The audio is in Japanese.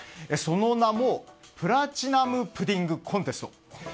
その名もプラチナムプディングコンテスト。